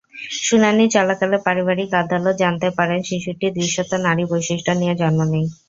শুনানি চলাকালে পারিবারিক আদালত জানতে পারেন, শিশুটি দৃশ্যত নারী বৈশিষ্ট্য নিয়ে জন্ম নেয়।